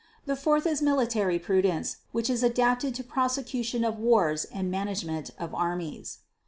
The fourth is military prudence, which is adapted to prosecution of wars and management of armies.